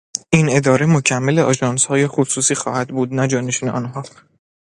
این اداره مکمل آژانسهای خصوصی خواهد بود نه جانشین آنها.